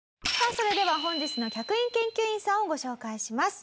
それでは本日の客員研究員さんをご紹介します。